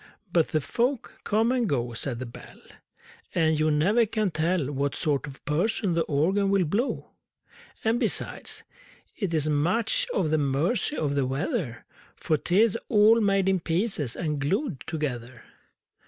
But the folk come and go, Said the Bell, And you never can tell What sort of person the Organ will blow! And, besides, it is much at the mercy of the weather For 'tis all made in pieces and glued together!